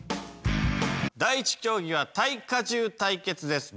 第１競技は耐荷重対決です。